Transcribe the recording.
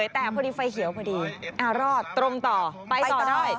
แต่พอดีไฟเขียวพอดีรอดตรงต่อไปต่อได้